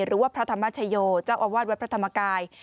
หรือว่าพระธรรมชโยเจ้าอาวาสวัดพระธรรมกาย